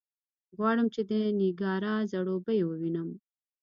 غواړم چې د نېګارا ځړوبی ووینم.